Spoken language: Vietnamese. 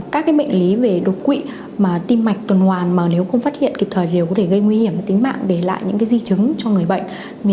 các bệnh lý về đột quỵ mà tim mạch tuần hoàn mà nếu không phát hiện kịp thời đều có thể gây nguy hiểm đến tính mạng để lại những di chứng cho người bệnh